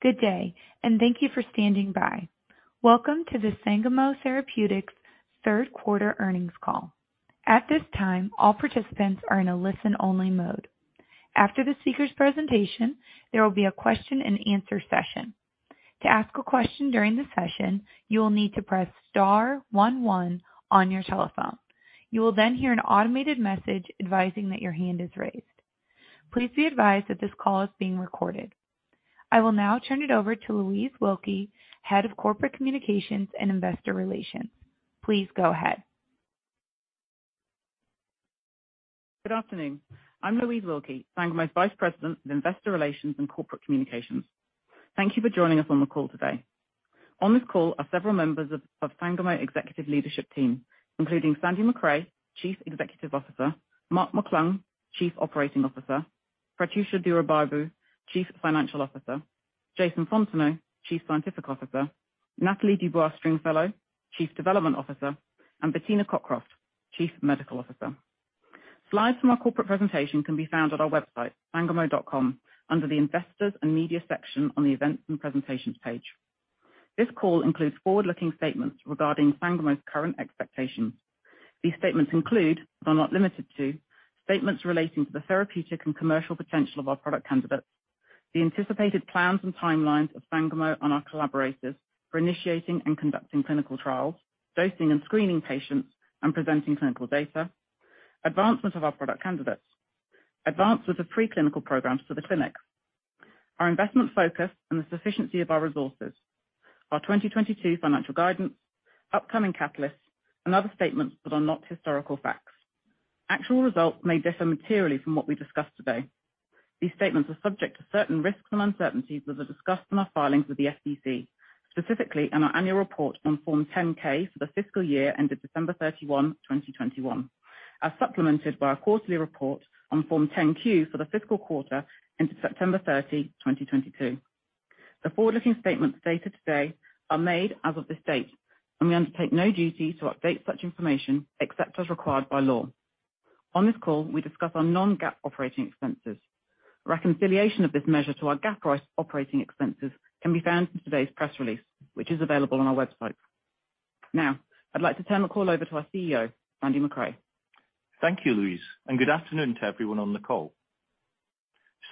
Good day, thank you for standing by. Welcome to the Sangamo Therapeutics Third Quarter Earnings Call. At this time, all participants are in a listen-only mode. After the speaker's presentation, there will be a question-and-answer session. To ask a question during the session, you will need to press star one one on your telephone. You will then hear an automated message advising that your hand is raised. Please be advised that this call is being recorded. I will now turn it over to Louise Wilkie, Head of Corporate Communications and Investor Relations. Please go ahead. Good afternoon. I'm Louise Wilkie, Sangamo's Vice President of Investor Relations and Corporate Communications. Thank you for joining us on the call today. On this call are several members of Sangamo executive leadership team, including Sandy Macrae, Chief Executive Officer, Mark McClung, Chief Operating Officer, Prathyusha Duraibabu, Chief Financial Officer, Jason Fontenot, Chief Scientific Officer, Nathalie Dubois-Stringfellow, Chief Development Officer, and Bettina Cockroft, Chief Medical Officer. Slides from our corporate presentation can be found on our website, sangamo.com, under the Investors and Media section on the Events and Presentations page. This call includes forward-looking statements regarding Sangamo's current expectations. These statements include, but are not limited to, statements relating to the therapeutic and commercial potential of our product candidates, the anticipated plans and timelines of Sangamo and our collaborators for initiating and conducting clinical trials, dosing and screening patients, and presenting clinical data, advancements of our product candidates, advances of preclinical programs to the clinics, our investment focus, and the sufficiency of our resources, our 2022 financial guidance, upcoming catalysts, and other statements that are not historical facts. Actual results may differ materially from what we discuss today. These statements are subject to certain risks and uncertainties that are discussed in our filings with the SEC, specifically in our annual report on Form 10-K for the fiscal year ended December 31, 2021, as supplemented by our quarterly report on Form 10-Q for the fiscal quarter ended September 30, 2022. The forward-looking statements stated today are made as of this date, and we undertake no duty to update such information except as required by law. On this call, we discuss our non-GAAP operating expenses. Reconciliation of this measure to our GAAP operating expenses can be found in today's press release, which is available on our website. Now, I'd like to turn the call over to our CEO, Sandy Macrae. Thank you, Louise, and good afternoon to everyone on the call.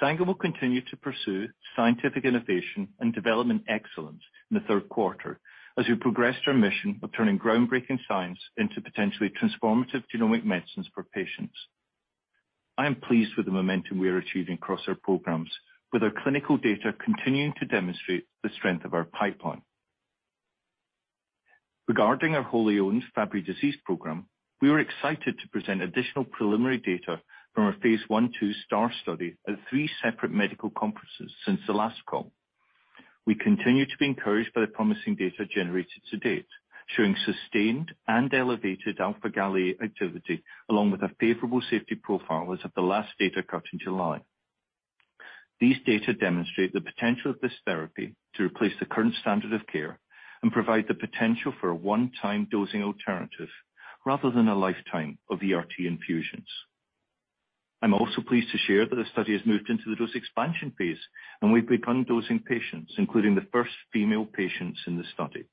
Sangamo will continue to pursue scientific innovation and development excellence in the third quarter as we progressed our mission of turning groundbreaking science into potentially transformative genomic medicines for patients. I am pleased with the momentum we are achieving across our programs, with our clinical data continuing to demonstrate the strength of our pipeline. Regarding our wholly-owned Fabry disease program, we were excited to present additional preliminary data from our Phase II/II STAAR study at three separate medical conferences since the last call. We continue to be encouraged by the promising data generated to date, showing sustained and elevated alpha-Gal A activity along with a favorable safety profile as of the last data cut in July. These data demonstrate the potential of this therapy to replace the current standard of care and provide the potential for a one-time dosing alternative rather than a lifetime of ERT infusions. I'm also pleased to share that the study has moved into the dose expansion phase, and we've begun dosing patients, including the first female patients in the study.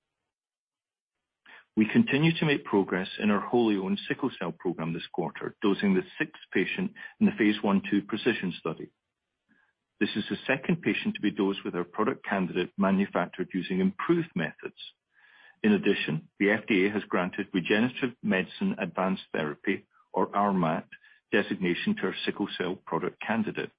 We continue to make progress in our wholly-owned sickle cell program this quarter, dosing the sixth patient in the Phase I/II PRECISION study. This is the second patient to be dosed with our product candidate manufactured using improved methods. In addition, the FDA has granted Regenerative Medicine Advanced Therapy, or RMAT, designation to our sickle cell product candidate.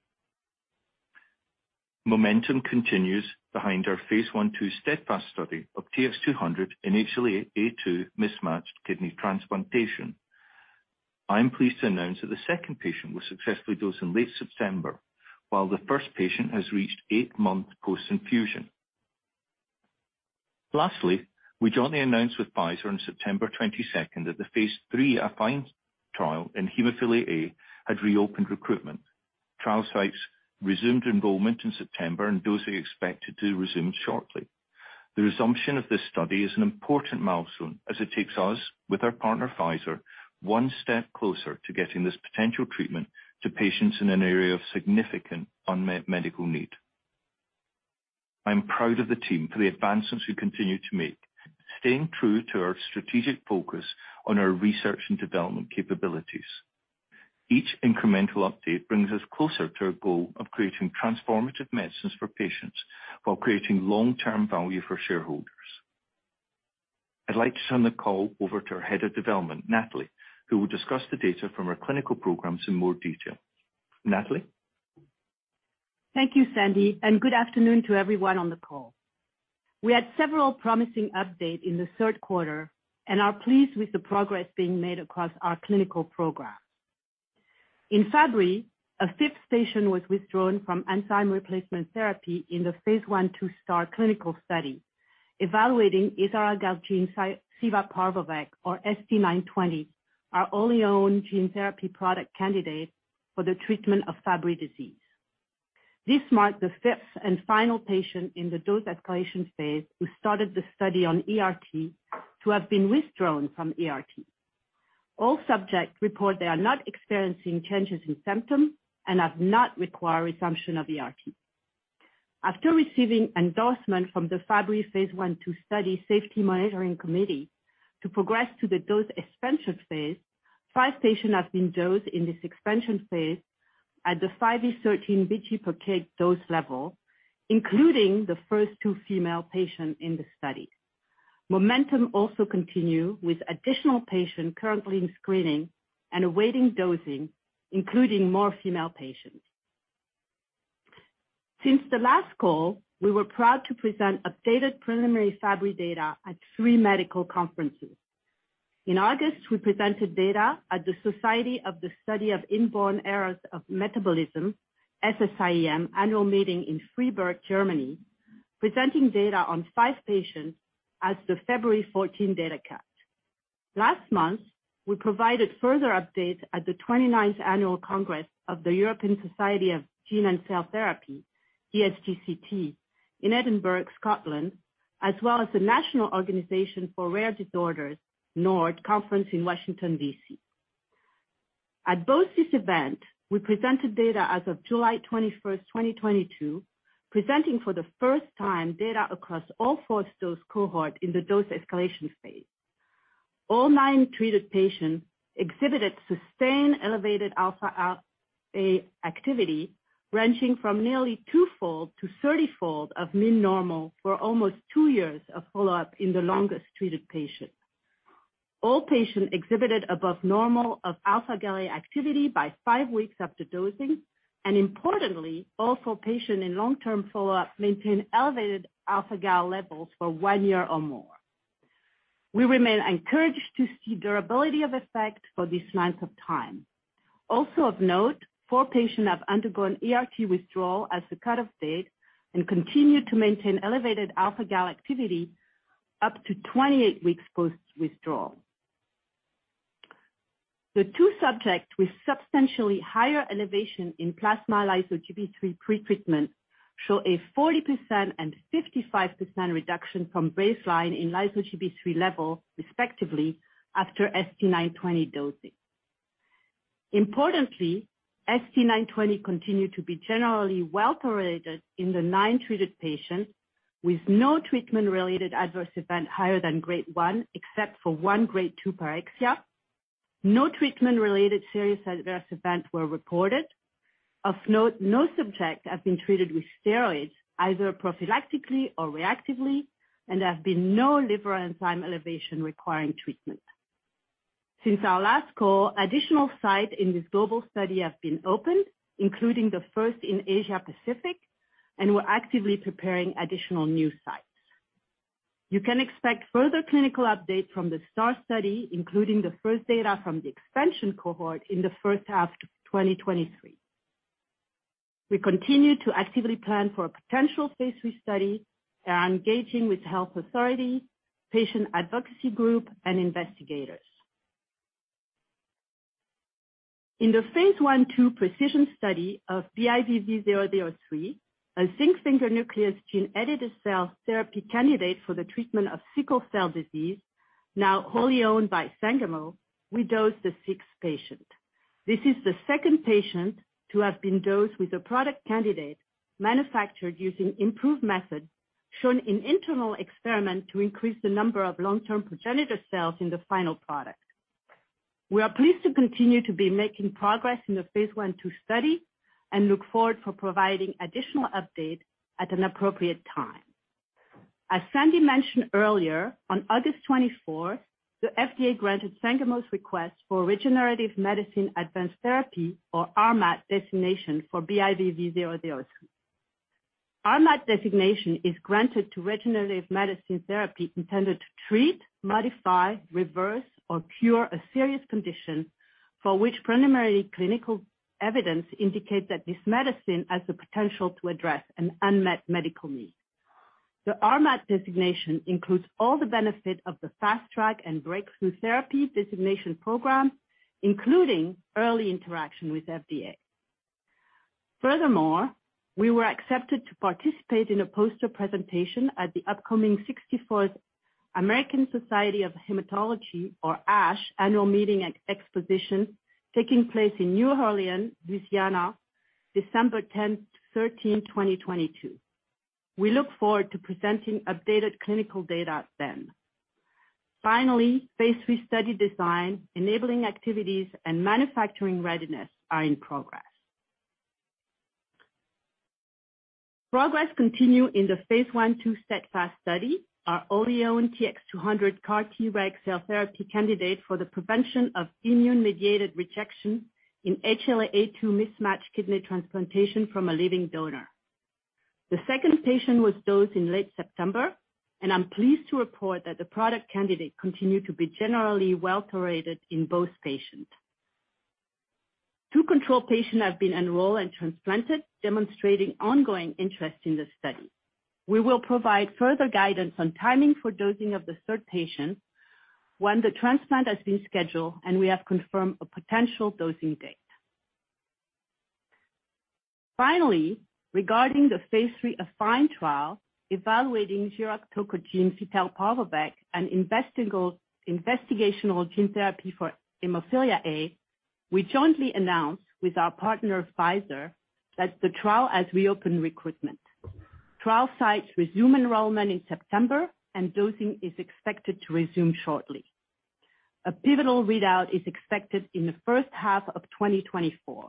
Momentum continues behind our Phase I/II STEADFAST study of TX200 in HLA-A2 mismatched kidney transplantation. I'm pleased to announce that the second patient was successfully dosed in late September, while the first patient has reached 8-month post-infusion. Lastly, we jointly announced with Pfizer on September 22 that the Phase III AFFINE trial in hemophilia A had reopened recruitment. Trial sites resumed enrollment in September, and dosing expected to resume shortly. The resumption of this study is an important milestone as it takes us, with our partner Pfizer, one step closer to getting this potential treatment to patients in an area of significant unmet medical need. I'm proud of the team for the advancements we continue to make, staying true to our strategic focus on our research and development capabilities. Each incremental update brings us closer to our goal of creating transformative medicines for patients while creating long-term value for shareholders. I'd like to turn the call over to our Head of Development, Nathalie, who will discuss the data from our clinical programs in more detail. Nathalie? Thank you, Sandy, and good afternoon to everyone on the call. We had several promising updates in the third quarter and are pleased with the progress being made across our clinical programs. In Fabry, a fifth patient was withdrawn from enzyme replacement therapy in the Phase I/II STAAR clinical study, evaluating isaralgagene civaparvovec or ST-920, our wholly owned gene therapy product candidate for the treatment of Fabry disease. This marked the 5th and final patient in the dose escalation phase who started the study on ERT to have been withdrawn from ERT. All subjects report they are not experiencing changes in symptoms and have not required resumption of ERT. After receiving endorsement from the Fabry Phase I/IIstudy safety monitoring committee to progress to the dose expansion phase, 5 patients have been dosed in this expansion phase at the 5 to 13 mg per kg dose level, including the first two female patients in the study. Momentum also continue with additional patients currently in screening and awaiting dosing, including more female patients. Since the last call, we were proud to present updated preliminary Fabry data at three medical conferences. In August, we presented data at the Society for the Study of Inborn Errors of Metabolism, SSIEM, annual meeting in Freiburg, Germany, presenting data on five patients as of February 14 data cut. Last month, we provided further updates at the 29th annual congress of the European Society of Gene & Cell Therapy, ESGCT, in Edinburgh, Scotland, as well as the National Organization for Rare Disorders, NORD, conference in Washington, D.C. At both these events, we presented data as of July 21, 2022, presenting for the first time data across all four dose cohorts in the dose escalation phase. All nine treated patients exhibited sustained elevated alpha-Gal A activity, ranging from nearly 2-fold to 30-fold of mean normal for almost two years of follow-up in the longest treated patient. All patients exhibited above normal of alpha-Gal A activity by five weeks after dosing, and importantly, all four patients in long-term follow-up maintained elevated alpha-Gal A levels for one year or more. We remain encouraged to see durability of effect for this length of time. Also of note, four patients have undergone ERT withdrawal as of the cutoff date and continue to maintain elevated alpha-Gal A activity up to 28 weeks post-withdrawal. The two subjects with substantially higher elevation in plasma lyso-Gb3 pretreatment show a 40% and 55% reduction from baseline in lyso-Gb3 level, respectively, after ST-920 dosing. Importantly, ST-920 continued to be generally well tolerated in the nine treated patients with no treatment-related adverse event higher than grade one, except for one grade two pyrexia. No treatment-related serious adverse events were reported. Of note, no subjects have been treated with steroids, either prophylactically or reactively, and there have been no liver enzyme elevation requiring treatment. Since our last call, additional sites in this global study have been opened, including the first in Asia-Pacific, and we're actively preparing additional new sites. You can expect further clinical updates from the STAAR study, including the first data from the expansion cohort in the first half of 2023. We continue to actively plan for a potential Phase III study and are engaging with health authorities, patient advocacy group, and investigators. In the Phase I/II PRECISION study of BIVV003, a zinc finger nuclease gene-edited cell therapy candidate for the treatment of sickle cell disease, now wholly owned by Sangamo, we dosed the sixth patient. This is the second patient to have been dosed with a product candidate manufactured using improved methods shown in internal experiments to increase the number of long-term progenitor cells in the final product. We are pleased to continue to be making progress in the Phase I/II study and look forward for providing additional updates at an appropriate time. As Sandy mentioned earlier, on August 24th, the FDA granted Sangamo's request for Regenerative Medicine Advanced Therapy, or RMAT, designation for BIVV003. RMAT designation is granted to regenerative medicine therapy intended to treat, modify, reverse, or cure a serious condition for which preliminary clinical evidence indicates that this medicine has the potential to address an unmet medical need. The RMAT designation includes all the benefits of the Fast Track and Breakthrough Therapy designation program, including early interaction with FDA. Furthermore, we were accepted to participate in a poster presentation at the upcoming 64th American Society of Hematology, or ASH, annual meeting and exposition taking place in New Orleans, Louisiana, December 10th-13th, 2022. We look forward to presenting updated clinical data then. Finally, Phase III study design, enabling activities, and manufacturing readiness are in progress. Progress continues in the Phase I/II STEADFAST study, our wholly owned TX200 CAR-Treg cell therapy candidate for the prevention of immune-mediated rejection in HLA-A2 mismatched kidney transplantation from a living donor. The second patient was dosed in late September, and I'm pleased to report that the product candidate continued to be generally well tolerated in both patients. Two control patients have been enrolled and transplanted, demonstrating ongoing interest in the study. We will provide further guidance on timing for dosing of the third patient. When the transplant has been scheduled and we have confirmed a potential dosing date. Finally, regarding the Phase III AFFINE trial evaluating giroctocogene fitelparvovec, an investigational gene therapy for hemophilia A, we jointly announced with our partner, Pfizer, that the trial has reopened recruitment. Trial sites resume enrollment in September, and dosing is expected to resume shortly. A pivotal readout is expected in the first half of 2024.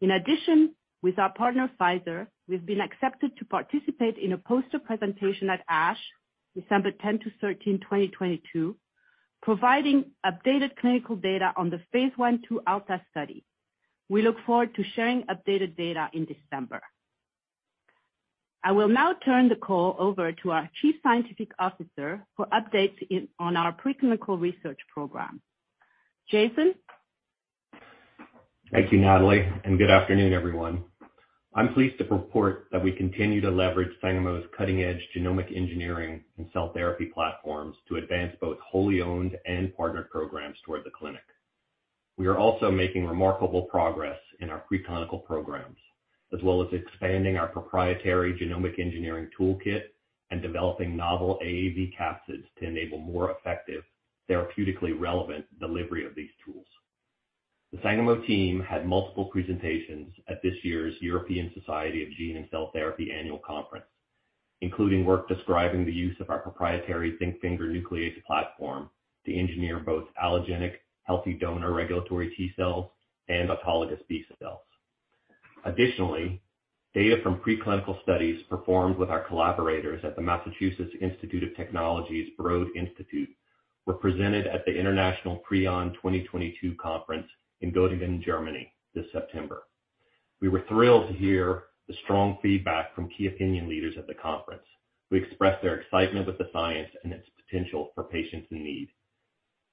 In addition, with our partner Pfizer, we've been accepted to participate in a poster presentation at ASH, December 10-13, 2022, providing updated clinical data on the Phase I/II ALTA study. We look forward to sharing updated data in December. I will now turn the call over to our Chief Scientific Officer for updates on our preclinical research program. Jason? Thank you, Nathalie, and good afternoon, everyone. I'm pleased to report that we continue to leverage Sangamo's cutting-edge genomic engineering and cell therapy platforms to advance both wholly owned and partnered programs toward the clinic. We are also making remarkable progress in our preclinical programs, as well as expanding our proprietary genomic engineering toolkit and developing novel AAV capsids to enable more effective therapeutically relevant delivery of these tools. The Sangamo team had multiple presentations at this year's European Society of Gene and Cell Therapy Annual Conference, including work describing the use of our proprietary zinc finger nuclease platform to engineer both allogeneic healthy donor regulatory T-cells and autologous B-cells. Additionally, data from preclinical studies performed with our collaborators at the Massachusetts Institute of Technology's Broad Institute were presented at the International Prion 2022 Conference in Göttingen, Germany this September. We were thrilled to hear the strong feedback from key opinion leaders at the conference who expressed their excitement with the science and its potential for patients in need.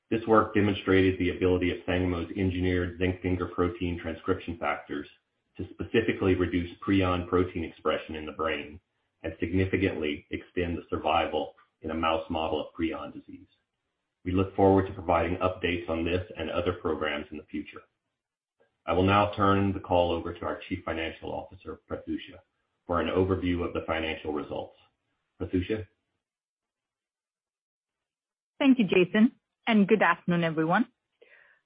This work demonstrated the ability of Sangamo's engineered zinc finger protein transcription factors to specifically reduce prion protein expression in the brain and significantly extend the survival in a mouse model of prion disease. We look forward to providing updates on this and other programs in the future. I will now turn the call over to our Chief Financial Officer, Prathyusha, for an overview of the financial results. Prathyusha? Thank you, Jason, and good afternoon, everyone.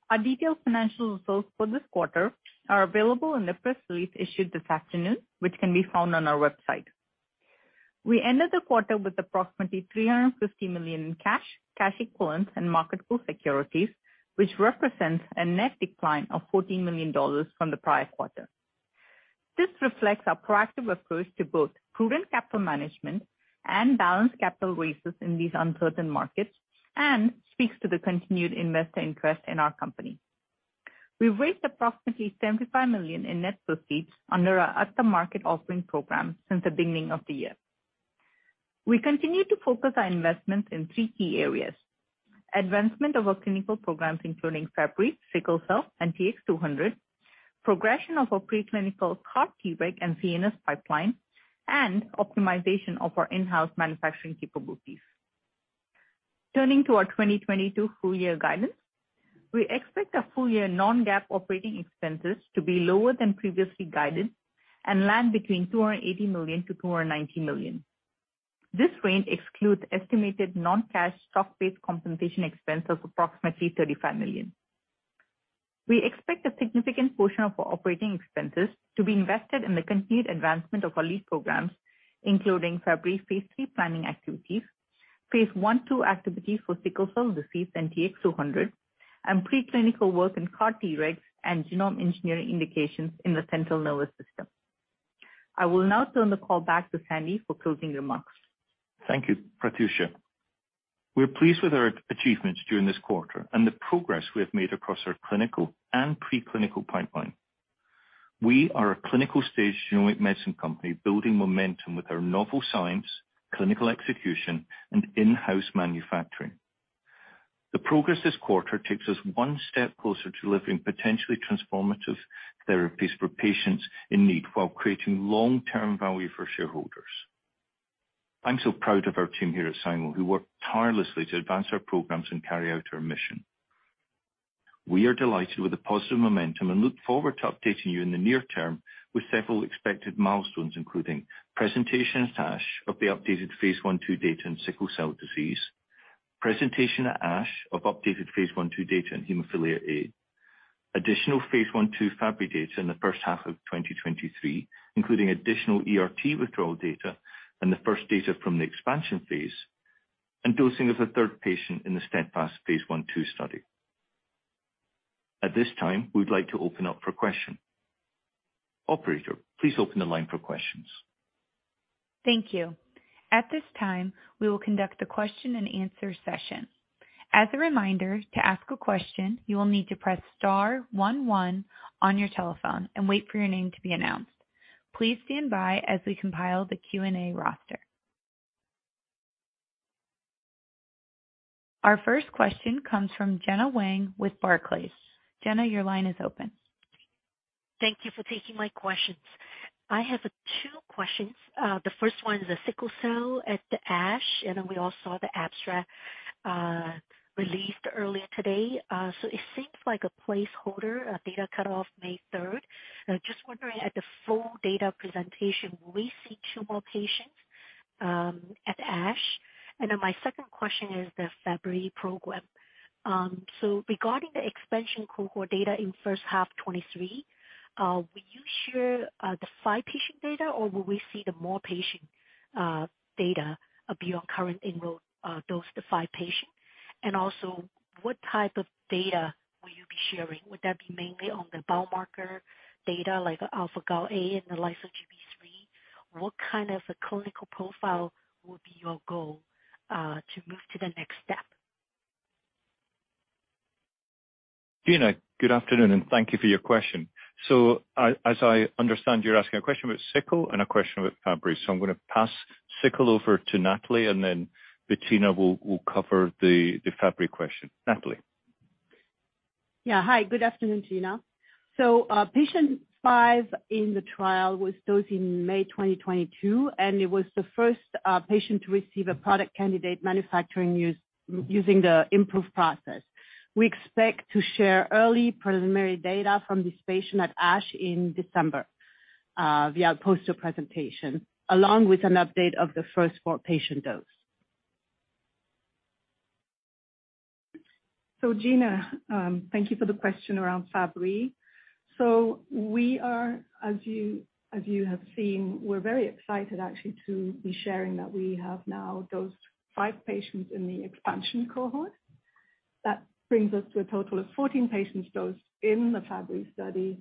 Our detailed financial results for this quarter are available in the press release issued this afternoon, which can be found on our website. We ended the quarter with approximately $350 million in cash equivalents, and marketable securities, which represents a net decline of $14 million from the prior quarter. This reflects our proactive approach to both prudent capital management and balanced capital raises in these uncertain markets and speaks to the continued investor interest in our company. We've raised approximately $75 million in net proceeds under our at-the-market offering program since the beginning of the year. We continue to focus our investments in three key areas, advancement of our clinical programs including Fabry, sickle cell, and TX200, progression of our preclinical CAR Treg and CNS pipeline, and optimization of our in-house manufacturing capabilities. Turning to our 2022 full year guidance, we expect our full year non-GAAP operating expenses to be lower than previously guided and land between $280 million and $290 million. This range excludes estimated non-cash stock-based compensation expense of approximately $35 million. We expect a significant portion of our operating expenses to be invested in the continued advancement of our lead programs, including Fabry Phase III planning activities, Phase I/II activities for sickle cell disease and TX200, and pre-clinical work in CAR-Treg and genome engineering indications in the central nervous system. I will now turn the call back to Sandy for closing remarks. Thank you, Prathyusha. We're pleased with our achievements during this quarter and the progress we have made across our clinical and pre-clinical pipeline. We are a clinical-stage genomic medicine company building momentum with our novel science, clinical execution, and in-house manufacturing. The progress this quarter takes us one step closer to delivering potentially transformative therapies for patients in need while creating long-term value for shareholders. I'm so proud of our team here at Sangamo who work tirelessly to advance our programs and carry out our mission. We are delighted with the positive momentum and look forward to updating you in the near term with several expected milestones, including presentations to ASH of the updated Phase I/II data in sickle cell disease, presentation at ASH of updated Phase I/II data in hemophilia A, additional Phase I/II Fabry data in the first half of 2023, including additional ERT withdrawal data and the first data from the expansion phase, and dosing of the third patient in the STEADFAST Phase I/II study. At this time, we'd like to open up for questions. Operator, please open the line for questions. Thank you. At this time, we will conduct the question-and-answer session. As a reminder, to ask a question, you will need to press star one one on your telephone and wait for your name to be announced. Please stand by as we compile the Q&A roster. Our first question comes from Gena Wang with Barclays. Gena, your line is open. Thank you for taking my questions. I have two questions. The first one is the sickle cell at the ASH, and then we all saw the abstract released early today. So it seems like a placeholder, a data cut-off May third. Just wondering at the full data presentation, will we see two more patients at ASH? And then my second question is the Fabry program. So regarding the expansion cohort data in first half 2023, will you share the five patient data, or will we see more patient data beyond currently enrolled those five patients? And also, what type of data will you be sharing? Would that be mainly on the biomarker data like alpha-Gal A and the lyso-Gb3? What kind of a clinical profile will be your goal to move to the next step? Gena, good afternoon, and thank you for your question. As I understand, you're asking a question about sickle and a question about Fabry. I'm gonna pass sickle over to Nathalie, and then Bettina will cover the Fabry question. Nathalie. Hi, good afternoon, Gena. Patient five in the trial was dosed in May 2022, and it was the first patient to receive a product candidate manufactured using the improved process. We expect to share early preliminary data from this patient at ASH in December via a poster presentation, along with an update of the first four patients' doses. Gena, thank you for the question around Fabry. We are, as you have seen, very excited actually to be sharing that we have now dosed five patients in the expansion cohort. That brings us to a total of 14 patients dosed in the Fabry study,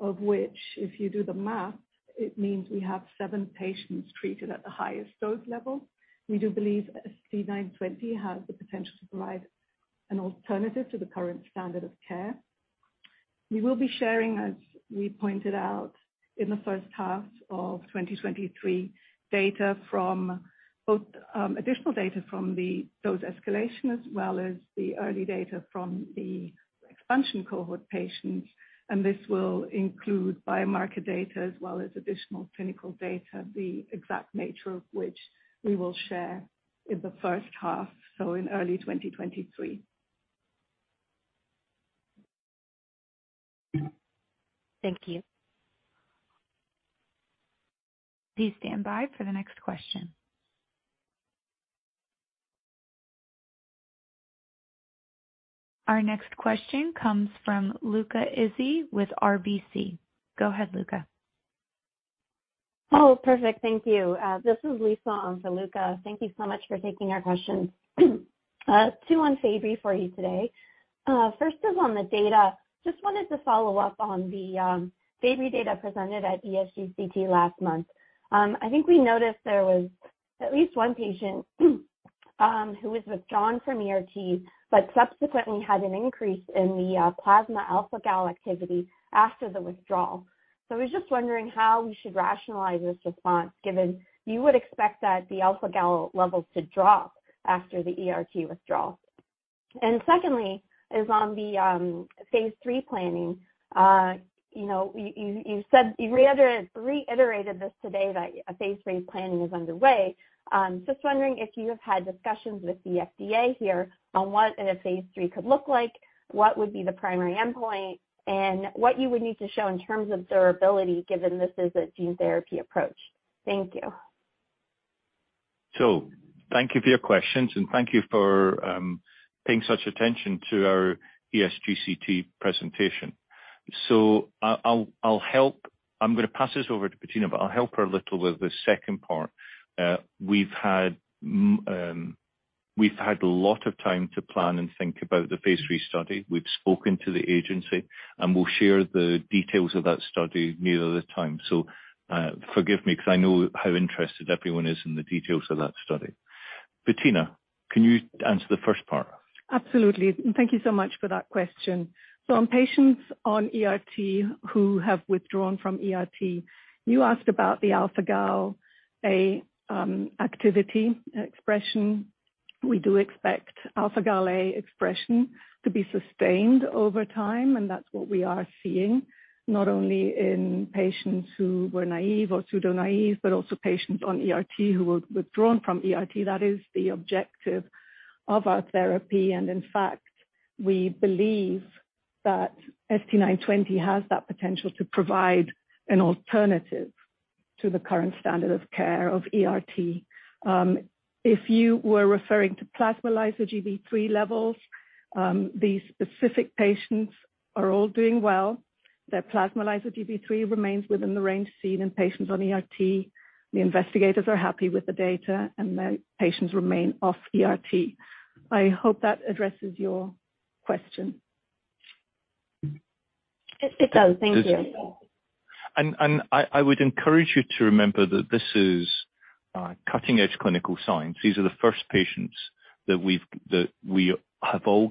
of which, if you do the math, it means we have seven patients treated at the highest dose level. We do believe ST-920 has the potential to provide an alternative to the current standard of care. We will be sharing, as we pointed out, in the first half of 2023, data from both, additional data from the dose escalation as well as the early data from the expansion cohort patients, and this will include biomarker data as well as additional clinical data, the exact nature of which we will share in the first half, so in early 2023. Thank you. Please stand by for the next question. Our next question comes from Luca Moroni with RBC. Go ahead, Luca. Oh, perfect. Thank you. This is Lisa on for Luca. Thank you so much for taking our question. Two on Fabry for you today. First is on the data. Just wanted to follow-up on the Fabry data presented at ESGCT last month. I think we noticed there was at least one patient who was withdrawn from ERT but subsequently had an increase in the plasma alpha-Gal A activity after the withdrawal. I was just wondering how we should rationalize this response, given you would expect that the alpha-Gal A levels to drop after the ERT withdrawal. Secondly is on the Phase III planning. You know, you said. You reiterated this today that a Phase III planning is underway. Just wondering if you have had discussions with the FDA here on what a Phase III could look like, what would be the primary endpoint, and what you would need to show in terms of durability given this is a gene therapy approach. Thank you. Thank you for your questions, and thank you for paying such attention to our ESGCT presentation. I'll help. I'm gonna pass this over to Bettina, but I'll help her a little with the second part. We've had a lot of time to plan and think about the Phase III study. We've spoken to the agency, and we'll share the details of that study nearer the time. Forgive me because I know how interested everyone is in the details of that study. Bettina, can you answer the first part? Absolutely. Thank you so much for that question. On patients on ERT who have withdrawn from ERT, you asked about the alpha-Gal A activity expression. We do expect alpha-Gal A expression to be sustained over time, and that's what we are seeing, not only in patients who were naive or pseudo-naive, but also patients on ERT who were withdrawn from ERT. That is the objective of our therapy, and in fact, we believe that ST-920 has that potential to provide an alternative to the current standard of care of ERT. If you were referring to plasma lyso-Gb3 levels, these specific patients are all doing well. Their plasma lyso-Gb3 remains within the range seen in patients on ERT. The investigators are happy with the data, and the patients remain off ERT. I hope that addresses your question. It does. Thank you. I would encourage you to remember that this is cutting-edge clinical science. These are the first patients that we've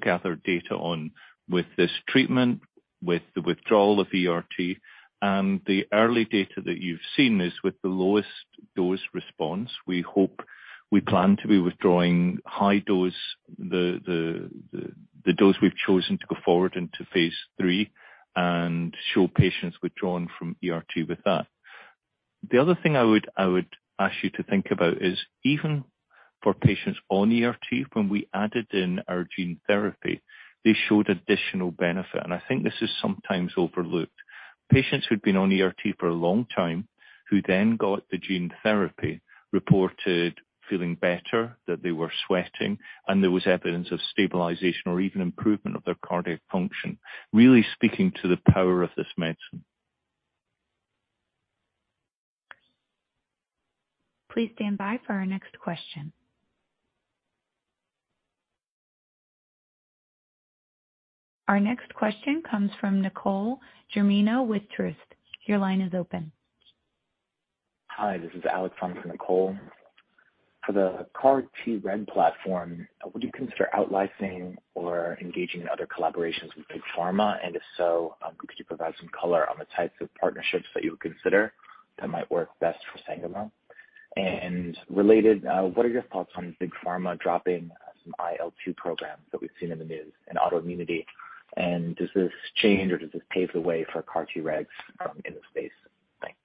gathered data on with this treatment, with the withdrawal of ERT, and the early data that you've seen is with the lowest dose response. We hope we plan to be withdrawing high dose, the dose we've chosen to go forward into Phase III and show patients withdrawn from ERT with that. The other thing I would ask you to think about is even for patients on ERT, when we added in our gene therapy, they showed additional benefit. I think this is sometimes overlooked. Patients who'd been on ERT for a long time, who then got the gene therapy, reported feeling better, that they were sweating, and there was evidence of stabilization or even improvement of their cardiac function. Really speaking to the power of this medicine. Please stand by for our next question. Our next question comes from Nicole Germino with Truist. Your line is open. Hi, this is Alex from Nicole. For the CAR-Treg platform, would you consider out-licensing or engaging in other collaborations with Big Pharma? If so, could you provide some color on the types of partnerships that you would consider that might work best for Sangamo? Related, what are your thoughts on Big Pharma dropping some IL-2 programs that we've seen in the news in autoimmunity? Does this change or does this pave the way for CAR-Tregs in the space? Thanks.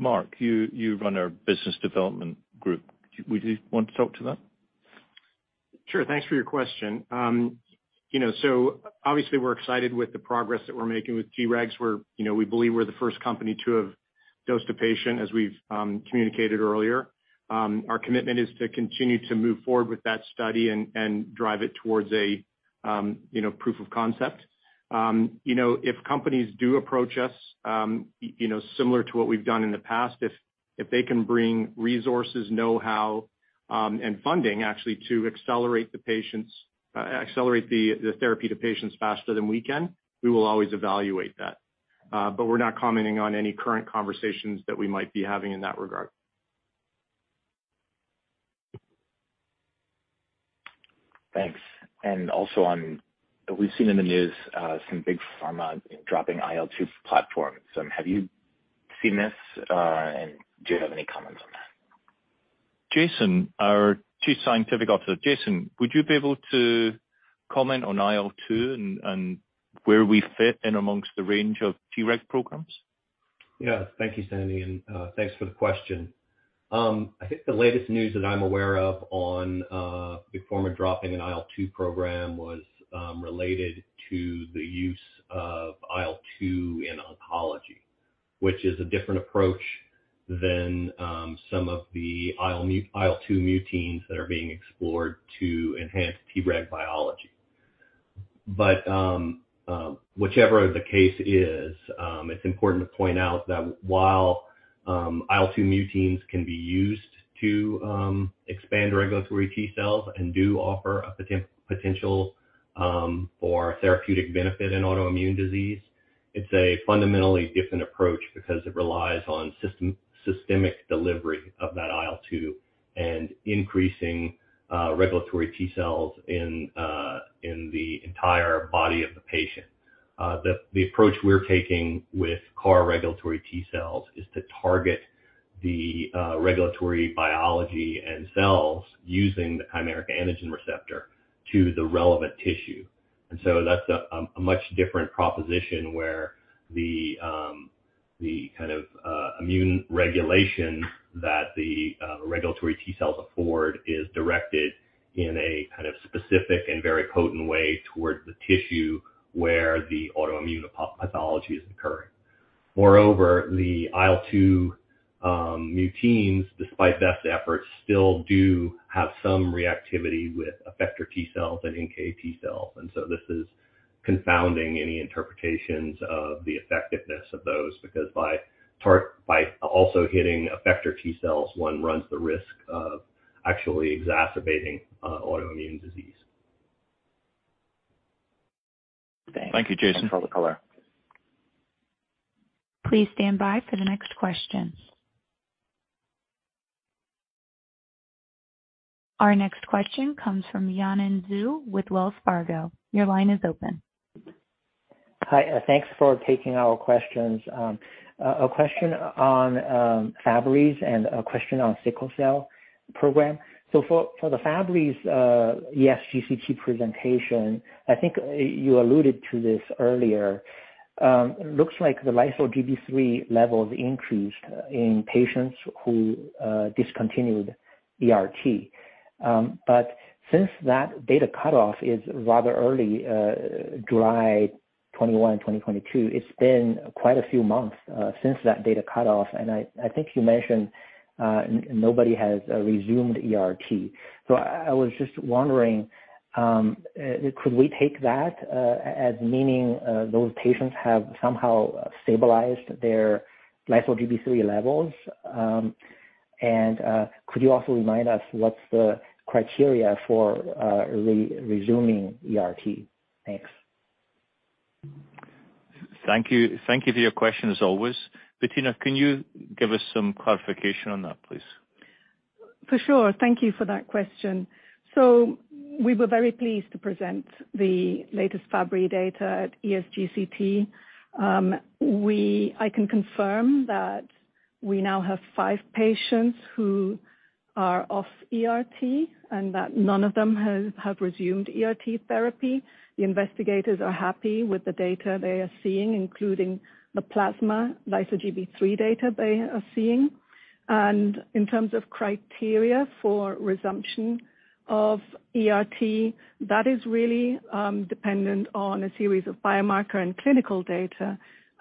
Mark, you run our business development group. Would you want to talk to that? Sure. Thanks for your question. You know, so obviously we're excited with the progress that we're making with T-regs, where, you know, we believe we're the first company to have dosed a patient, as we've communicated earlier. Our commitment is to continue to move forward with that study and drive it towards a, you know, proof of concept. You know, if companies do approach us, you know, similar to what we've done in the past, if they can bring resources, know-how, and funding actually to accelerate the therapy to patients faster than we can, we will always evaluate that. But we're not commenting on any current conversations that we might be having in that regard. Thanks. Also we've seen in the news some big pharma dropping IL-2 platforms. Have you seen this and do you have any comments on that? Jason, our Chief Scientific Officer. Jason, would you be able to comment on IL-2 and where we fit in among the range of T-reg programs? Yeah. Thank you, Sandy, and thanks for the question. I think the latest news that I'm aware of on Big Pharma dropping an IL-2 program was related to the use of IL-2 in oncology, which is a different approach than some of the IL-2 muteins that are being explored to enhance T-reg biology. Whichever the case is, it's important to point out that while IL-2 muteins can be used to expand regulatory T cells and do offer a potential for therapeutic benefit in autoimmune disease, it's a fundamentally different approach because it relies on systemic delivery of that IL-2 and increasing regulatory T cells in the entire body of the patient. The approach we're taking with CAR regulatory T cells is to target the regulatory biology and cells using the chimeric antigen receptor to the relevant tissue. That's a much different proposition where the kind of immune regulation that the regulatory T cells afford is directed in a kind of specific and very potent way towards the tissue where the autoimmune pathology is occurring. Moreover, the IL-2 muteins, despite best efforts, still do have some reactivity with effector T cells and NKT cells. This is confounding any interpretations of the effectiveness of those, because by also hitting effector T cells, one runs the risk of actually exacerbating autoimmune disease. Thank you, Jason. Thanks for all the color. Please stand by for the next question. Our next question comes from Yanan Zhu with Wells Fargo. Your line is open. Hi. Thanks for taking our questions. A question on Fabry and a question on sickle cell program. For the Fabry, ESGCT presentation, I think you alluded to this earlier. Looks like the lyso-Gb3 levels increased in patients who discontinued ERT. But since that data cutoff is rather early, July 21, 2022, it's been quite a few months since that data cutoff. I think you mentioned nobody has resumed ERT. I was just wondering, could we take that as meaning those patients have somehow stabilized their lyso-Gb3 levels? Could you also remind us what's the criteria for resuming ERT? Thanks. Thank you. Thank you for your question as always. Bettina, can you give us some clarification on that, please? For sure. Thank you for that question. We were very pleased to present the latest Fabry data at ESGCT. I can confirm that. We now have five patients who are off ERT and that none of them have resumed ERT therapy. The investigators are happy with the data they are seeing, including the plasma lyso-Gb3 data they are seeing. In terms of criteria for resumption of ERT, that is really dependent on a series of biomarker and clinical data,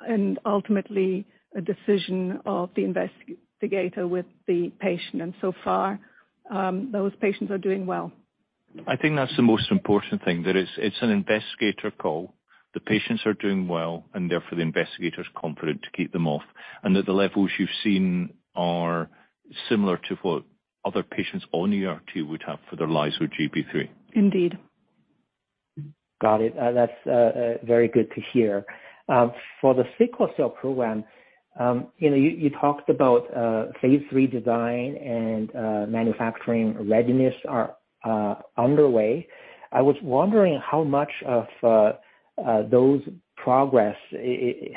and ultimately a decision of the investigator with the patient. So far, those patients are doing well. I think that's the most important thing, that it's an investigator call. The patients are doing well, and therefore the investigator is confident to keep them off, and that the levels you've seen are similar to what other patients on ERT would have for their lyso-Gb3. Indeed. Got it. That's very good to hear. For the sickle cell program, you know, you talked about Phase III design and manufacturing readiness are underway. I was wondering how much of those progress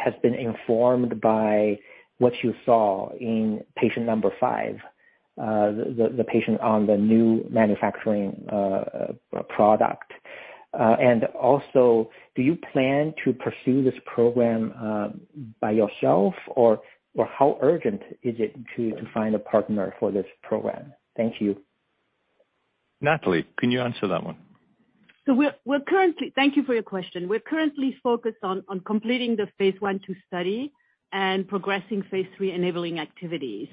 has been informed by what you saw in patient number 5, the patient on the new manufacturing product. Also, do you plan to pursue this program by yourself or how urgent is it to find a partner for this program? Thank you. Nathalie, can you answer that one? Thank you for your question. We're currently focused on completing the Phase I/II study and Phase III enabling activities.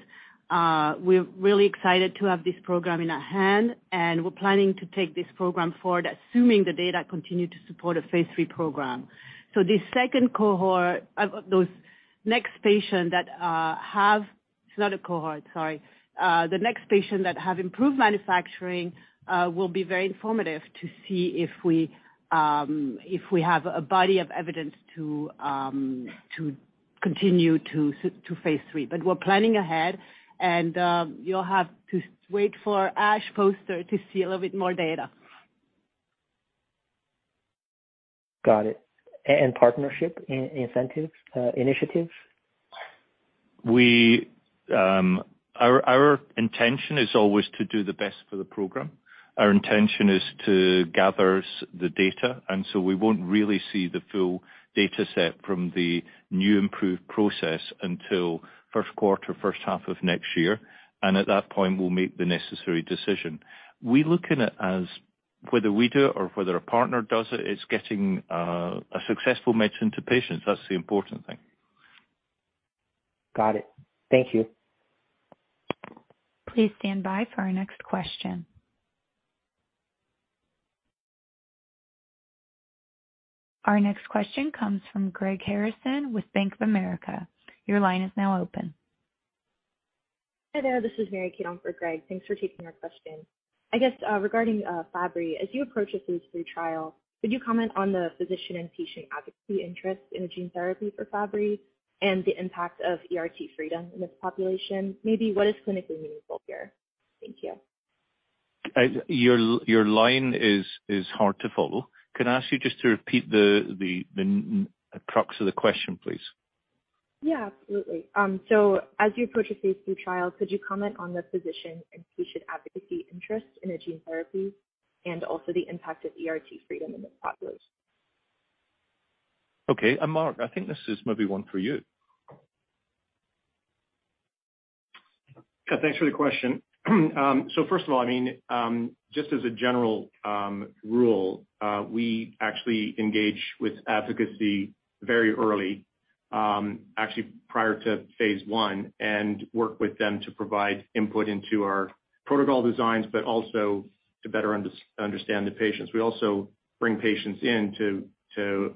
We're really excited to have this program in hand, and we're planning to take this program forward, assuming the data continue to support a Phase III program. The second cohort of those next patients that have. It's not a cohort, sorry. The next patient that have improved manufacturing will be very informative to see if we if we have a body of evidence to continue to Phase III. We're planning ahead and you'll have to wait for ASH poster to see a little bit more data. Got it. Partnership incentives, initiatives? Our intention is always to do the best for the program. Our intention is to gather the data, and so we won't really see the full data set from the new improved process until first quarter, first half of next year. At that point, we'll make the necessary decision. We're looking at is whether we do it or whether a partner does it's getting a successful medicine to patients. That's the important thing. Got it. Thank you. Please stand by for our next question. Our next question comes from Greg Harrison with Bank of America. Your line is now open. Hi there, this is Mary Kate on for Greg. Thanks for taking our question. I guess, regarding, Fabry, as you approach a Phase III trial, could you comment on the physician and patient advocacy interest in a gene therapy for Fabry and the impact of ERT freedom in this population? Maybe what is clinically meaningful here? Thank you. Your line is hard to follow. Can I ask you just to repeat the crux of the question, please? Yeah, absolutely. As you approach a Phase III trial, could you comment on the physician and patient advocacy interest in a gene therapy and also the impact of ERT freedom in this population? Okay. Mark, I think this is maybe one for you. Thanks for the question. First of all, I mean, just as a general rule, we actually engage with advocacy very early, actually prior to Phase I and work with them to provide input into our protocol designs, but also to better understand the patients. We also bring patients in to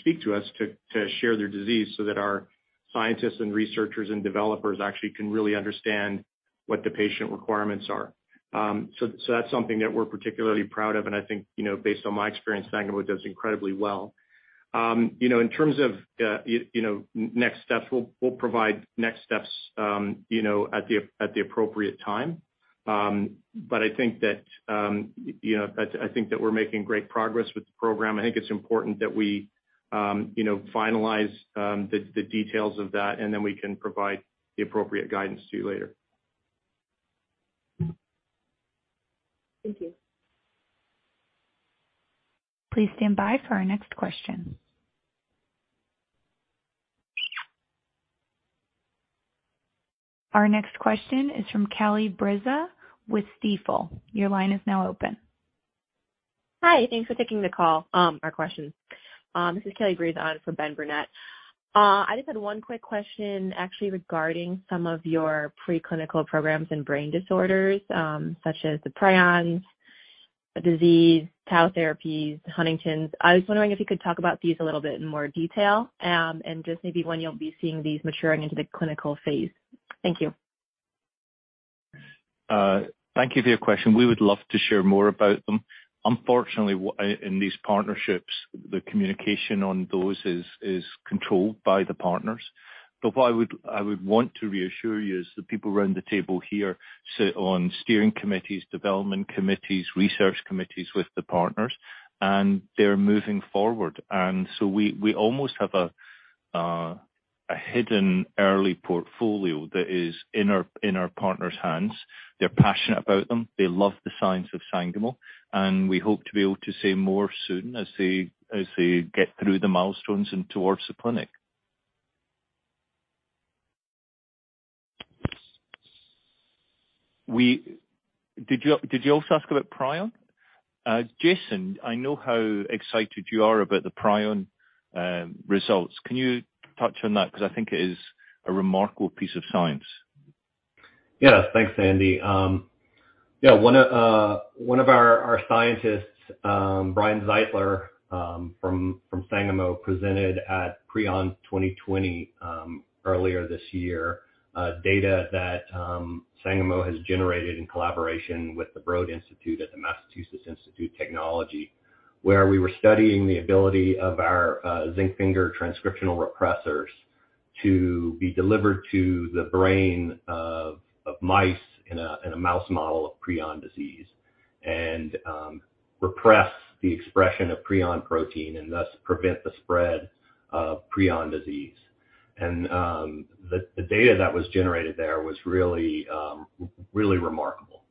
speak to us, to share their disease so that our scientists and researchers and developers actually can really understand what the patient requirements are. That's something that we're particularly proud of, and I think, you know, based on my experience, Sangamo does incredibly well. You know, in terms of, you know, next steps, we'll provide next steps, you know, at the appropriate time. I think that, you know, I think that we're making great progress with the program. I think it's important that we, you know, finalize the details of that, and then we can provide the appropriate guidance to you later. Thank you. Please stand by for our next question. Our next question is from Kaelen Brizendine with Stifel. Your line is now open. Hi. Thanks for taking the call. Our questions. This is Kaelen Brizendine on for Benjamin Burnett. I just had one quick question actually regarding some of your preclinical programs in brain disorders, such as the prion disease, tau therapies, Huntington's. I was wondering if you could talk about these a little bit in more detail, and just maybe when you'll be seeing these maturing into the clinical phase. Thank you. Thank you for your question. We would love to share more about them. Unfortunately, in these partnerships, the communication on those is controlled by the partners. But what I would want to reassure you is the people around the table here sit on steering committees, development committees, research committees with the partners, and they're moving forward. We almost have a hidden early portfolio that is in our partner's hands. They're passionate about them. They love the science of Sangamo, and we hope to be able to say more soon as they get through the milestones and towards the clinic. Did you also ask about Prion? Jason, I know how excited you are about the Prion results. Can you touch on that? Because I think it is a remarkable piece of science. Yes. Thanks, Andy. Yeah. One of our scientists, Bryan Zeitler, from Sangamo, presented at Prion 2020 earlier this year data that Sangamo has generated in collaboration with the Broad Institute at the Massachusetts Institute of Technology, where we were studying the ability of our zinc finger transcriptional repressors to be delivered to the brain of mice in a mouse model of prion disease and repress the expression of prion protein and thus prevent the spread of prion disease. The data that was generated there was really remarkable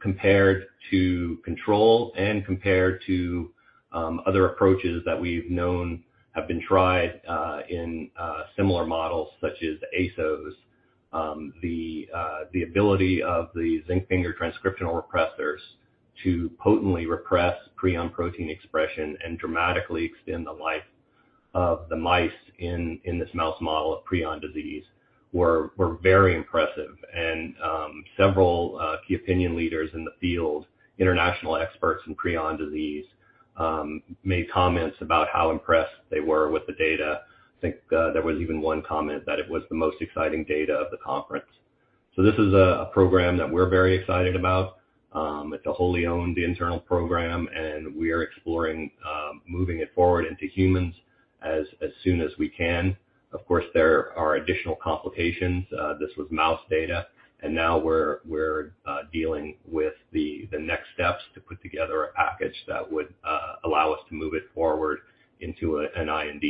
compared to control and compared to other approaches that we've known have been tried in similar models such as the ASOs. The ability of the zinc finger transcriptional repressors to potently repress prion protein expression and dramatically extend the life of the mice in this mouse model of prion disease were very impressive. Several key opinion leaders in the field, international experts in prion disease, made comments about how impressed they were with the data. I think, there was even one comment that it was the most exciting data of the conference. This is a program that we're very excited about. It's a wholly owned internal program, and we are exploring moving it forward into humans as soon as we can. Of course, there are additional complications. This was mouse data, and now we're dealing with the next steps to put together a package that would allow us to move it forward into an IND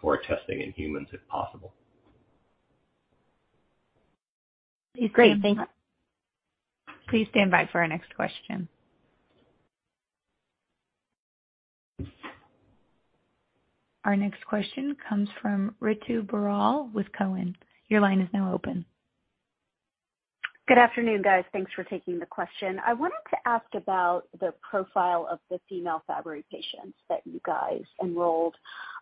for testing in humans if possible. Great. Thanks. Please stand by for our next question. Our next question comes from Ritu Baral with Cowen. Your line is now open. Good afternoon, guys. Thanks for taking the question. I wanted to ask about the profile of the female Fabry patients that you guys enrolled.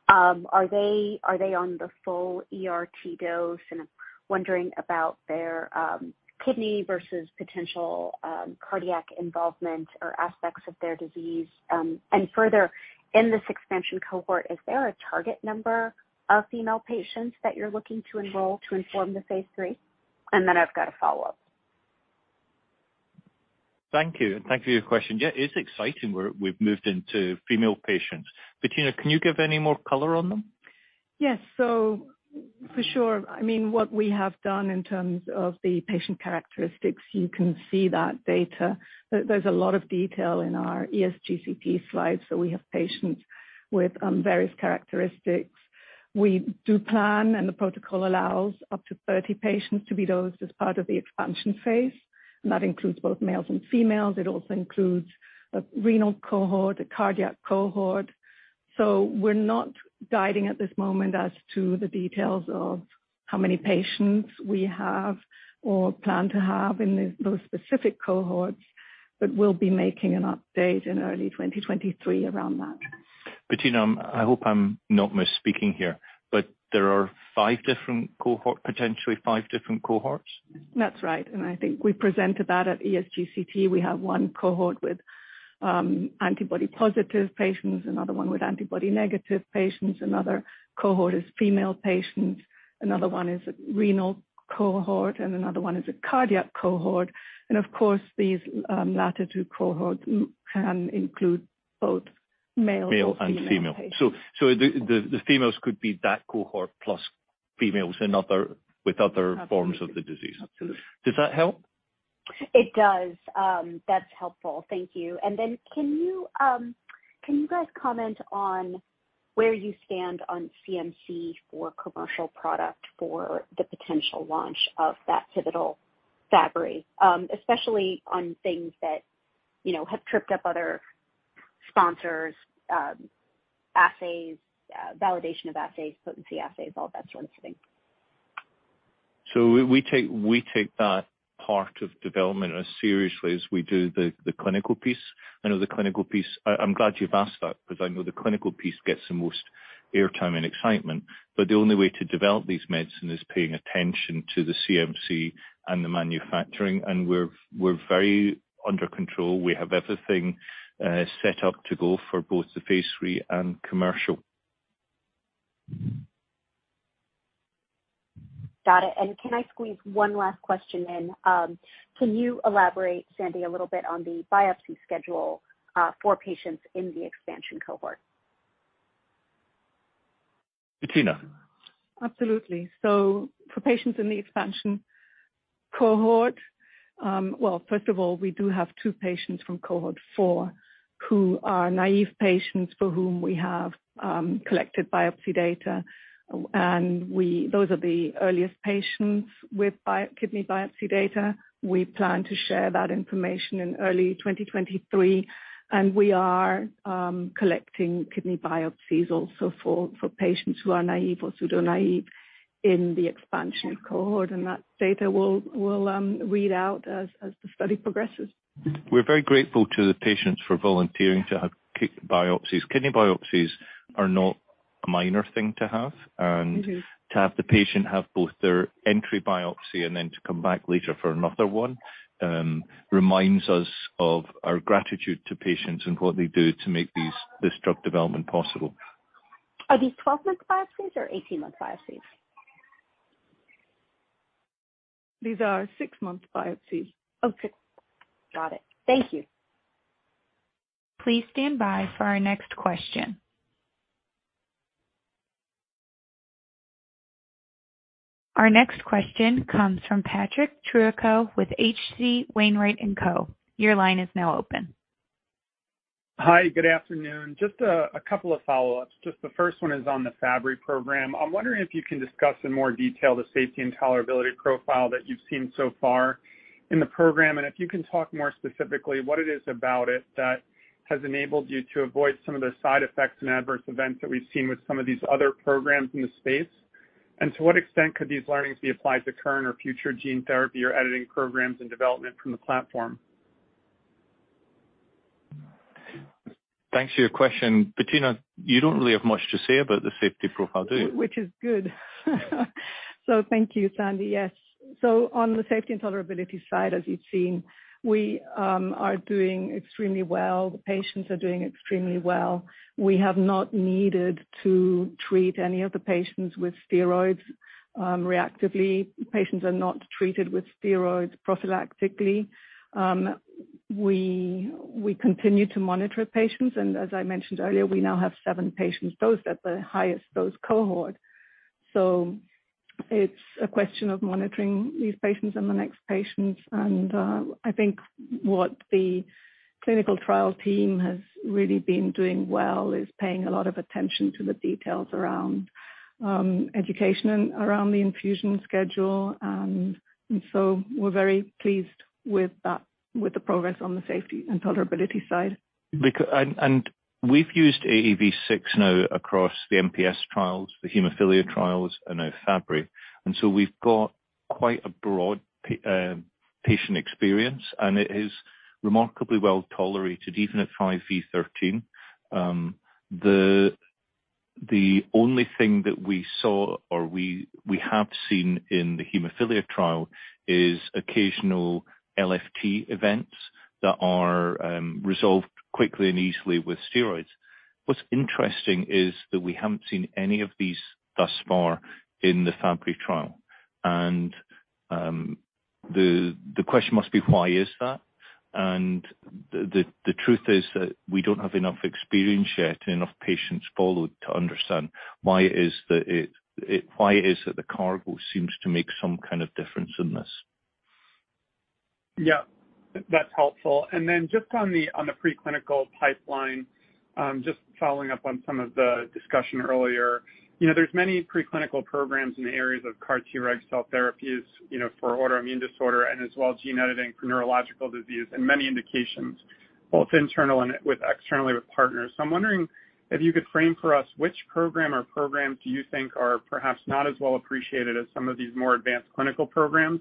Are they on the full ERT dose? I'm wondering about their kidney versus potential cardiac involvement or aspects of their disease. Further, in this expansion cohort, is there a target number of female patients that you're looking to enroll to inform the Phase III? Then I've got a follow-up. Thank you, and thank you for your question. Yeah, it's exciting. We've moved into female patients. Bettina, can you give any more color on them? Yes. For sure, I mean, what we have done in terms of the patient characteristics, you can see that data. There, there's a lot of detail in our ESGCT slides. We have patients with various characteristics. We do plan, and the protocol allows up to 30 patients to be dosed as part of the expansion phase, and that includes both males and females. It also includes a renal cohort, a cardiac cohort. We're not guiding at this moment as to the details of how many patients we have or plan to have in those specific cohorts, but we'll be making an update in early 2023 around that. Bettina, I hope I'm not misspeaking here, but there are five different cohort, potentially five different cohorts? That's right. I think we presented that at ESGCT. We have one cohort with antibody positive patients, another one with antibody negative patients. Another cohort is female patients, another one is a renal cohort, and another one is a cardiac cohort. Of course, these latter two cohorts can include both male or female patients. Male and female. The females could be that cohort plus females with other forms of the disease. Absolutely. Does that help? It does. That's helpful. Thank you. Then can you guys comment on where you stand on CMC for commercial product for the potential launch of that pivotal Fabry, especially on things that, you know, have tripped up other sponsors, assays, validation of assays, potency assays, all that sort of thing. We take that part of development as seriously as we do the clinical piece. I know the clinical piece. I'm glad you've asked that because I know the clinical piece gets the most airtime and excitement. The only way to develop these medicine is paying attention to the CMC and the manufacturing. We're very under control. We have everything set up to go for both the Phase III and commercial. Got it. Can I squeeze one last question in? Can you elaborate, Sandy, a little bit on the biopsy schedule, for patients in the expansion cohort? Bettina. Absolutely. For patients in the expansion cohort. Well, first of all, we do have two patients from cohort 4 who are naive patients for whom we have collected biopsy data. Those are the earliest patients with bilateral kidney biopsy data. We plan to share that information in early 2023. We are collecting kidney biopsies also for patients who are naive or pseudo-naive in the expansion cohort. That data will read out as the study progresses. We're very grateful to the patients for volunteering to have kidney biopsies. Kidney biopsies are not a minor thing to have. Mm-hmm. To have the patient have both their entry biopsy and then to come back later for another one reminds us of our gratitude to patients and what they do to make these, this drug development possible. Are these 12-month biopsies or 18-month biopsies? These are six-month biopsies. Okay. Got it. Thank you. Please stand by for our next question. Our next question comes from Patrick Trucchio with H.C. Wainwright & Co Your line is now open. Hi. Good afternoon. Just a couple of follow-ups. Just the first one is on the Fabry program. I'm wondering if you can discuss in more detail the safety and tolerability profile that you've seen so far in the program. If you can talk more specifically, what it is about it that has enabled you to avoid some of the side effects and adverse events that we've seen with some of these other programs in the space. To what extent could these learnings be applied to current or future gene therapy or editing programs in development from the platform? Thanks for your question. Bettina, you don't really have much to say about the safety profile, do you? Which is good. Thank you, Sandy. Yes. On the safety and tolerability side, as you've seen, we are doing extremely well. The patients are doing extremely well. We have not needed to treat any of the patients with steroids reactively. Patients are not treated with steroids prophylactically. We continue to monitor patients, and as I mentioned earlier, we now have seven patients dosed at the highest dose cohort. It's a question of monitoring these patients and the next patients. I think what the clinical trial team has really been doing well is paying a lot of attention to the details around education and around the infusion schedule. We're very pleased with that, with the progress on the safety and tolerability side. We've used AAV6 now across the MPS trials, the hemophilia trials, and now Fabry. We've got quite a broad patient experience, and it is remarkably well tolerated even at 5e13. The only thing that we saw or we have seen in the hemophilia trial is occasional LFT events that are resolved quickly and easily with steroids. What's interesting is that we haven't seen any of these thus far in the Fabry trial. The question must be why is that? The truth is that we don't have enough experience yet, enough patients followed to understand why it is that the cargo seems to make some kind of difference in this. Yeah, that's helpful. Then just on the preclinical pipeline, just following up on some of the discussion earlier. You know, there's many preclinical programs in the areas of CAR T-reg cell therapies, you know, for autoimmune disorder and as well gene editing for neurological disease and many indications, both internal and externally with partners. I'm wondering if you could frame for us which program or programs do you think are perhaps not as well appreciated as some of these more advanced clinical programs?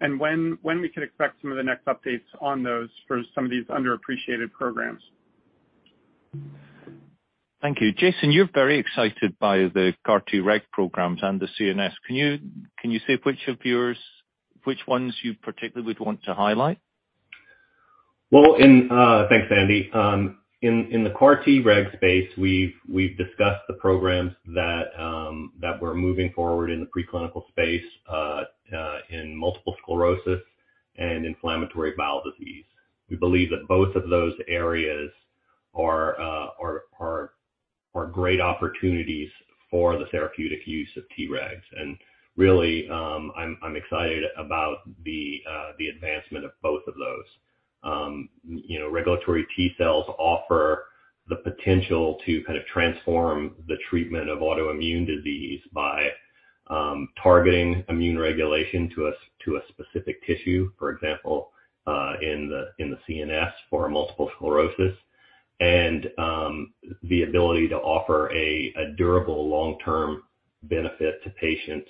When we can expect some of the next updates on those for some of these underappreciated programs? Thank you. Jason, you're very excited by the CAR-Treg programs and the CNS. Can you say which ones you particularly would want to highlight? Well, thanks, Sandy. In the CAR-Treg space, we've discussed the programs that we're moving forward in the preclinical space in multiple sclerosis and inflammatory bowel disease. We believe that both of those areas are great opportunities for the therapeutic use of T-regs. Really, I'm excited about the advancement of both of those. You know, regulatory T-cells offer the potential to kind of transform the treatment of autoimmune disease by targeting immune regulation to a specific tissue, for example, in the CNS for multiple sclerosis. The ability to offer a durable long-term benefit to patients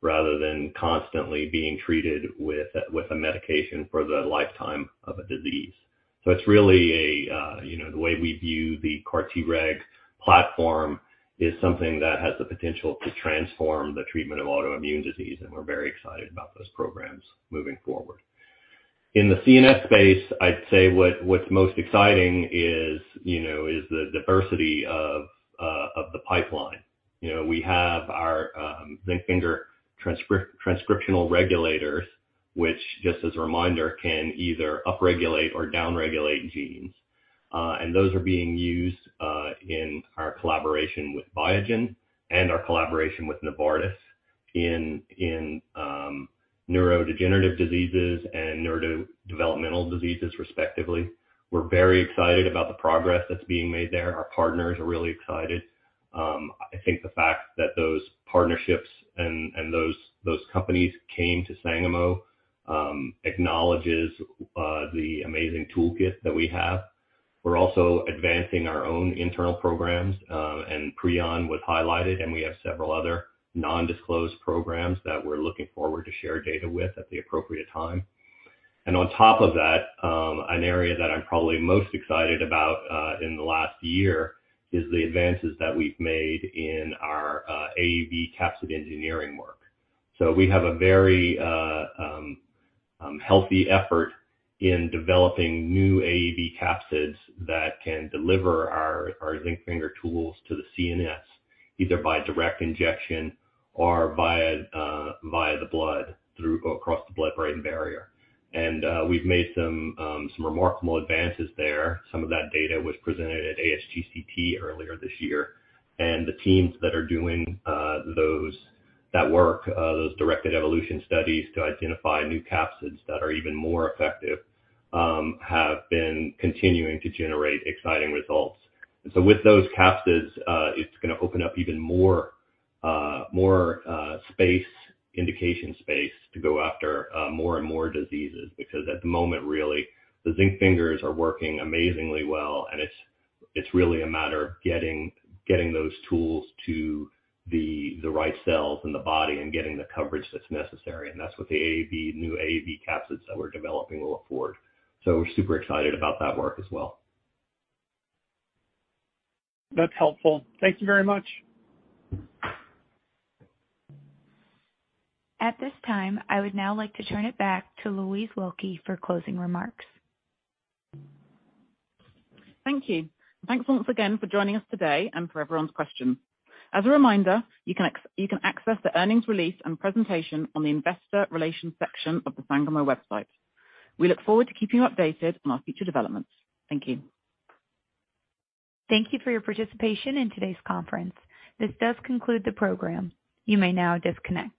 rather than constantly being treated with a medication for the lifetime of a disease. It's really a You know, the way we view the CAR-Treg platform is something that has the potential to transform the treatment of autoimmune disease, and we're very excited about those programs moving forward. In the CNS space, I'd say what's most exciting is, you know, is the diversity of the pipeline. You know, we have our zinc finger transcriptional regulators, which just as a reminder, can either upregulate or downregulate genes. Those are being used in our collaboration with Biogen and our collaboration with Novartis in neurodegenerative diseases and neurodevelopmental diseases, respectively. We're very excited about the progress that's being made there. Our partners are really excited. I think the fact that those partnerships and those companies came to Sangamo acknowledges the amazing toolkit that we have. We're also advancing our own internal programs, and Prion was highlighted, and we have several other non-disclosed programs that we're looking forward to share data with at the appropriate time. On top of that, an area that I'm probably most excited about in the last year is the advances that we've made in our AAV capsid engineering work. We have a very healthy effort in developing new AAV capsids that can deliver our zinc finger tools to the CNS, either by direct injection or via the blood or across the blood-brain barrier. We've made some remarkable advances there. Some of that data was presented at ASGCT earlier this year. The teams that are doing that work, those directed evolution studies to identify new capsids that are even more effective, have been continuing to generate exciting results. With those capsids, it's gonna open up even more indication space to go after more and more diseases. Because at the moment, really, the zinc fingers are working amazingly well, and it's really a matter of getting those tools to the right cells in the body and getting the coverage that's necessary. That's what the new AAV capsids that we're developing will afford. We're super excited about that work as well. That's helpful. Thank you very much. At this time, I would now like to turn it back to Louise Wilkie for closing remarks. Thank you. Thanks once again for joining us today and for everyone's questions. As a reminder, you can access the earnings release and presentation on the investor relations section of the Sangamo website. We look forward to keeping you updated on our future developments. Thank you. Thank you for your participation in today's conference. This does conclude the program. You may now disconnect.